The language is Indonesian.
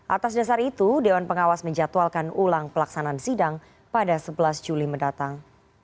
atas dasar itu dewan pengawas menjatuhalkan ulang pelaksanaan sidang pada sebelas juli mendatang